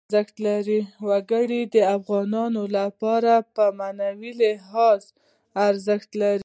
وګړي د افغانانو لپاره په معنوي لحاظ ارزښت لري.